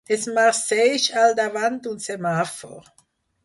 Es marceix al davant d'un semàfor.